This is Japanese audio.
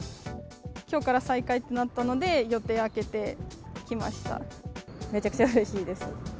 きょうから再開となったので、めちゃくちゃうれしいです。